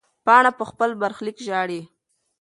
پاڼه په خپل برخلیک ژاړي.